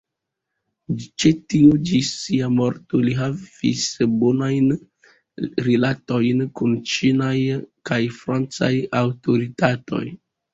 Ĉe tio ĝis sia morto li havis bonajn rilatojn kun ĉinaj kaj francaj aŭtoritatoj.